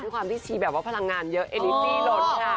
ความที่ชีแบบว่าพลังงานเยอะเอนิตี้ล้นค่ะ